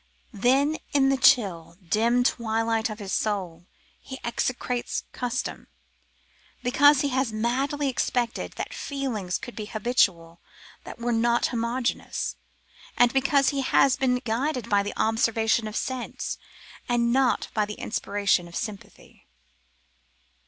Then, in the chill, dim twilight of his soul, he execrates custom; because he has madly expected that feelings could be habitual that were not homogeneous, and because he has been guided by the observation of sense, and not by the inspiration of sympathy.